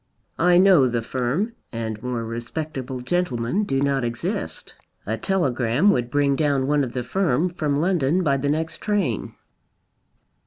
I know the firm and more respectable gentlemen do not exist. A telegram would bring down one of the firm from London by the next train."